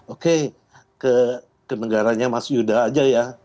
oke ke negaranya mas yuda aja ya